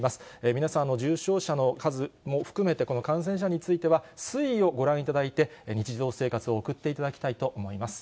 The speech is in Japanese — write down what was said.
皆さん、重症者の数も含めて、この感染者については推移をご覧いただいて、日常生活を送っていただきたいと思います。